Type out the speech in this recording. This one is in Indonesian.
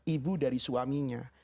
ibu dari suaminya